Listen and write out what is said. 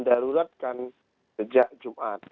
duluatkan sejak jumat